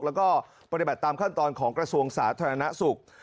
แล้วก็ปฏิบัติตามขั้นตอนของกระทรวงสาธารณสุข